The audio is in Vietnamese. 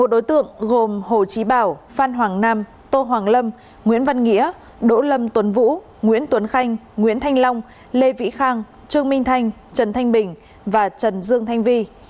một đối tượng gồm hồ trí bảo phan hoàng nam tô hoàng lâm nguyễn văn nghĩa đỗ lâm tuấn vũ nguyễn tuấn khanh nguyễn thanh long lê vĩ khang trương minh thanh trần thanh bình và trần dương thanh vi